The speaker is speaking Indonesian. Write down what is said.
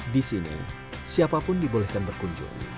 di sini siapa pun dibolehkan berkunjung